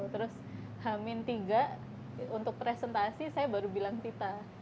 terus hamin tiga untuk presentasi saya baru bilang tita